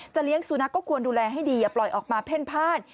เลี้ยงสุนัขก็ควรดูแลให้ดีอย่าปล่อยออกมาเพ่นพ่าน